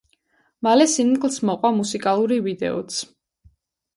მალე სინგლს მოყვა მუსიკალური ვიდეოც.